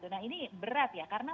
nah ini berat ya karena